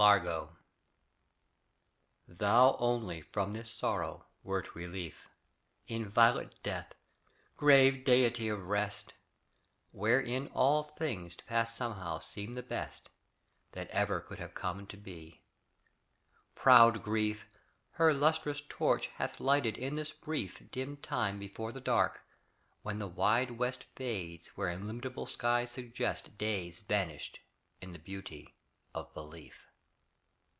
LARGO Thou only from this sorrow wert relief, Inviolate death, grave deity of rest, Wherein all things past somehow seem the best That ever could have come to be. Proud grief Her lustrous torch hath lighted in this brief Dim time before the dark, when the wide west Fades where illimitable skies suggest Days vanished in the beauty of belief.